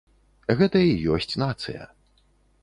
Гэта і ёсць нацыя.